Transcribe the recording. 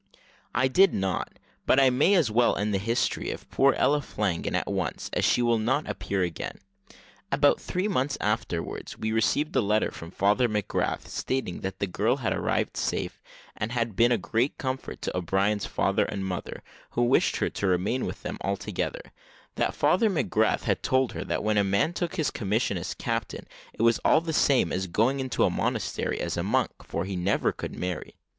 I did not; but I may as well end the history of poor Ella Flanagan at once, as she will not appear again. About three months afterwards, we received a letter from Father McGrath, stating that the girl had arrived safe, and had been a great comfort to O'Brien's father and mother, who wished her to remain with them altogether; that Father McGrath had told her that when a man took his commission as captain it was all the same as going into a monastery as a monk, for he never could marry.